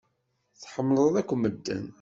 Tḥemmleḍ akk medden.